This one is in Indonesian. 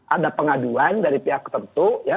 ada pengaduan dari pihak tertentu ya